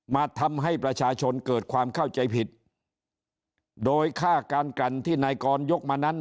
มาทำให้ประชาชนเกิดความเข้าใจผิดโดยค่าการกันที่นายกรยกมานั้น